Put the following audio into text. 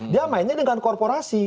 dia mainnya dengan korporasi